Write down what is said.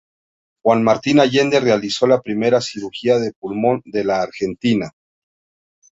Juan Martín Allende realizó la primera cirugía de pulmón de la Argentina.